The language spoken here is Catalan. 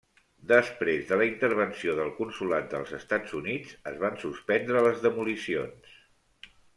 Després de la intervenció del Consolat dels Estats Units es van suspendre les demolicions.